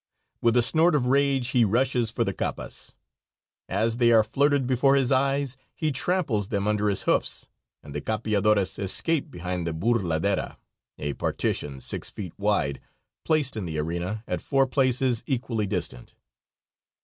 With a snort of rage he rushes for the capas. As they are flirted before his eyes, he tramples them under his hoofs, and the capeadores escape behind the bourladera, a partition six feet wide, placed in the arena at four places equally distant.